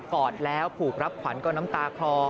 อดแล้วผูกรับขวัญก็น้ำตาคลอ